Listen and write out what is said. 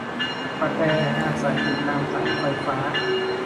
กระแต อาศัยอยู่ตามสายไฟฟ้า